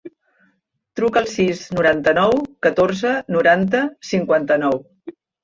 Truca al sis, noranta-nou, catorze, noranta, cinquanta-nou.